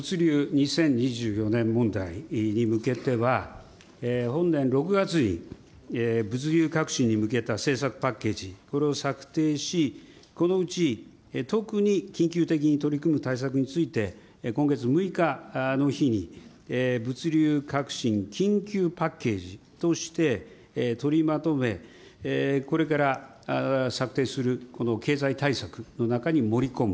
２０２４年問題に向けては、本年６月に物流各種に向けた政策パッケージ、これを策定し、このうち、特に緊急的に取り組む対策について、今月６日の日に、物流革新緊急パッケージとして取りまとめ、これから策定するこの経済対策の中に盛り込む、